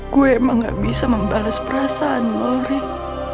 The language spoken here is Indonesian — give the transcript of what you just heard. gue emang gak bisa membalas perasaan lo rik